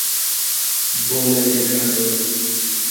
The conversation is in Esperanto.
Bonan legadon.